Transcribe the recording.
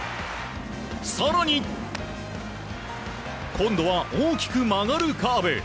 更に、今度は大きく曲がるカーブ。